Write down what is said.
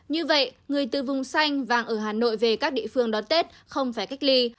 như vậy người từ vùng xanh vàng ở hà nội về các địa phương đón tết không phải cách ly